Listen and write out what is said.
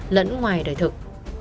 vẫn ngoài đời thực